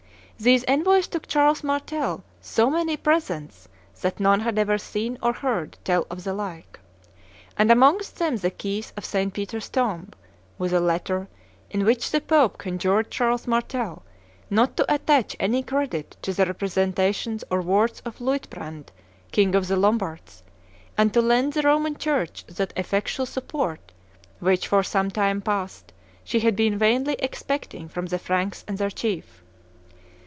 These envoys took Charles Martel "so many presents that none had ever seen or heard tell of the like," and amongst them the keys of St. Peter's tomb, with a letter in which the Pope conjured Charles Martel not to attach any credit to the representations or words of Luitprandt, king of the Lombards, and to lend the Roman Church that effectual support which, for some time past, she had been vainly expecting from the Franks and their chief.